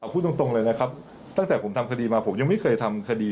พูดตรงเลยนะครับตั้งแต่ผมทำคดีมาผมยังไม่เคยทำคดี